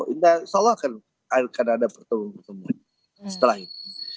insya allah akan ada pertemuan pertemuan setelah itu